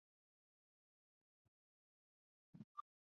游戏获得国家冰球联盟的许可。